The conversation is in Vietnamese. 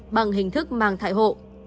bằng hình thức mang thai hộ